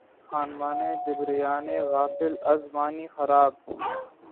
خانمانِ جبریانِ غافل از معنی خراب!